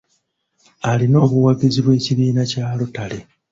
Alina obwagazi bw'ekibiina kya lotale.